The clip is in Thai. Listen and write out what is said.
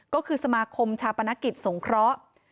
ก็คือสมาคมชาปนกิจสงเคราะห์